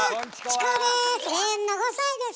チコです